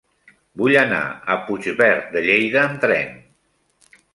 Vull anar a Puigverd de Lleida amb tren.